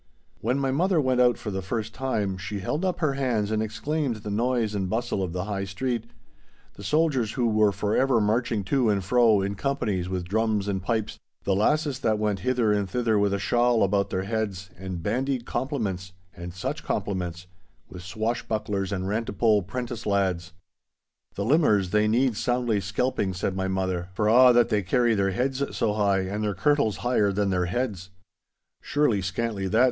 When my mother went out for the first time, she held up her hands and exclaimed at the noise and bustle of the High Street—the soldiers who were for ever marching to and fro in companies with drums and pipes, the lasses that went hither and thither with a shawl about their heads, and bandied compliments—and such compliments—with swashbucklers and rantipole 'prentice lads. 'The limmers, they need soundly skelping!' said my mother, 'for a' that they carry their heads so high, and their kirtles higher than their heads!' 'Surely scantly that!